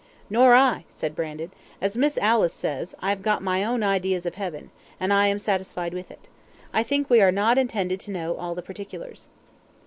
"Nor I," said Brandon; "as Miss Alice says, I have got my own idea of heaven, and I am satisfied with it. I think we are not intended to know all the particulars."